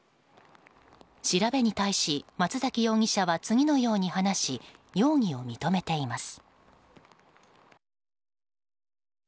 調べに対し、松崎容疑者は次のように話し容疑を認めています。